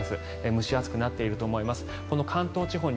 蒸し暑くなっていると思います。